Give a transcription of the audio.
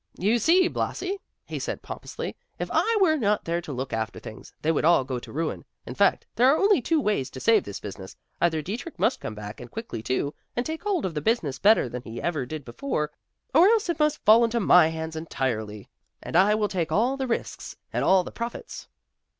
"You see, Blasi," said he pompously, "if I were not there to look after things, they would all go to ruin. In fact there are only two ways to save this business; either Dietrich must come back and quickly too, and take hold of the business better than he ever did before, or else it must fall into my hands entirely, and I will take all the risks and all the profits."